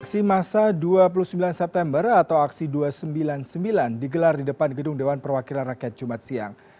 aksi masa dua puluh sembilan september atau aksi dua ratus sembilan puluh sembilan digelar di depan gedung dewan perwakilan rakyat jumat siang